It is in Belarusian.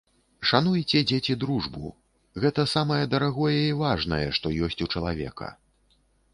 Шануйце, дзеці, дружбу, гэта самае дарагое і важнае, што ёсць у чалавека.